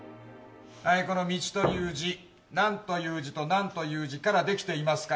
この道という字、何という字と何という字からできていますか。